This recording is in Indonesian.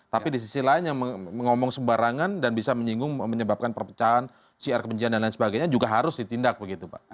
tapi di sisi lain yang mengomong sembarangan dan bisa menyinggung menyebabkan perpecahan siar kebencian dan lain sebagainya juga harus ditindak begitu pak